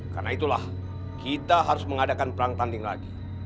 karena itulah kita harus mengadakan perang tanding lagi